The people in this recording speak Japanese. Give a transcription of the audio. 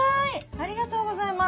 ありがとうございます。